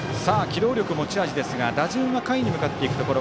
機動力が持ち味ですが打順は下位に向かっていくところ。